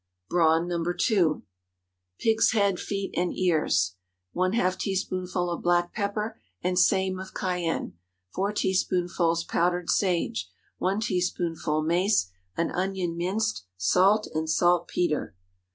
BRAWN (No. 2.) Pig's head, feet, and ears. ½ teaspoonful of black pepper, and same of cayenne. 4 teaspoonfuls powdered sage. 1 teaspoonful mace. An onion minced. Salt and saltpetre.